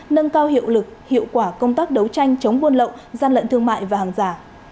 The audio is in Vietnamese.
nâng cao hiệu lực hiệu quả công tác đấu tranh chống buôn lậu gian lận thương mại và hàng giả